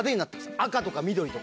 赤とか緑とか。